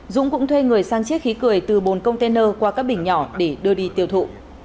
dũng cũng thuê người sang chiếc khí cười từ bồn container qua các bình nhỏ để đưa đi tiêu thụ